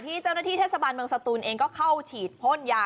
ในเถ่นเฯนะที่เทศบันเบื้องสตูนเองก็เขาฉีดพ่นนญา